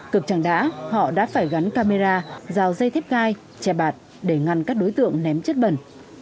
cực chẳng đã họ đã phải gắn camera vào dây thép gai che bạt để ngăn các đối tượng ném chất bẩn